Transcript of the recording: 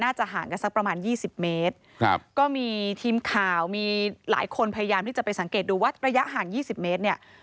น่าจะห่างกันสักประมาณ๒๐เมตรก็มีทีมข่าวมีหลายคนพยายามที่จะไปสังเกตดูว่าระยะห่าง๒๐เมตรเนี่ย